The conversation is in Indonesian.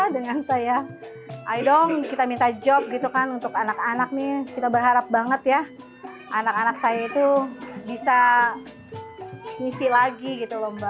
dengan saya ayo dong kita minta job gitu kan untuk anak anak nih kita berharap banget ya anak anak saya itu bisa ngisi lagi gitu loh mbak